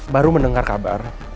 baru mendengar kabar